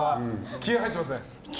気合入ってます！